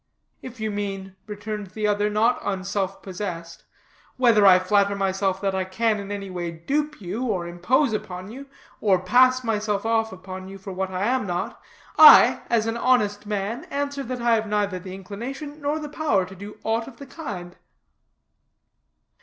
"If you mean," returned the other, not unselfpossessed, "whether I flatter myself that I can in any way dupe you, or impose upon you, or pass myself off upon you for what I am not, I, as an honest man, answer that I have neither the inclination nor the power to do aught of the kind."